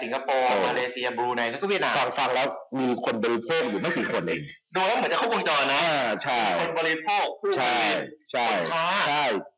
ซิงโอโตบริโภคผู้ข้าขาย